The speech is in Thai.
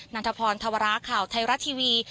ันทพรธวราข่าวไทยรัฐทีวี